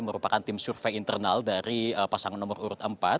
merupakan tim survei internal dari pasangan nomor urut empat